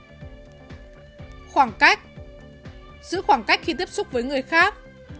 khoảng cách giữ khoảng cách khi tiếp xúc với người khác